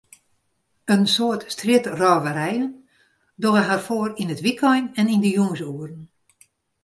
In soad strjitrôverijen dogge har foar yn it wykein en yn de jûnsoeren.